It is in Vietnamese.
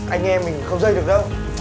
anh em mình không dây được đâu